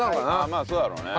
まあそうだろうね。